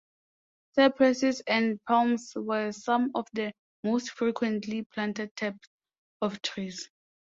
Cypresses and palms were some of the most frequently planted types of trees.